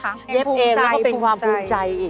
เย็บเองแล้วก็เป็นความภูมิใจอีก